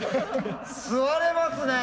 座れますね！